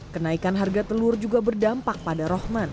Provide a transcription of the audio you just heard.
kenaikan harga telur juga berdampak pada rohman